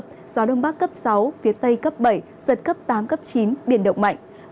gió đông bắc cấp sáu phía tây cấp bảy giật cấp tám cấp chín biển động mạnh